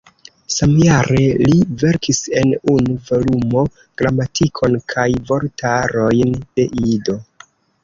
Samjare li verkis en unu volumo gramatikon kaj vortarojn de Ido.